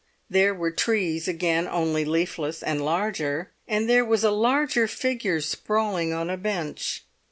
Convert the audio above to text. There were trees again, only leafless, and larger, and there was a larger figure sprawling on a bench.